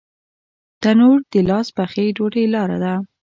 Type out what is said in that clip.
تنور د لاس پخې ډوډۍ لاره ده